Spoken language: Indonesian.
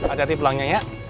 ada dari pelangnya ya